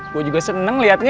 gue juga seneng liatnya